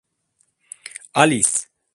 Alice!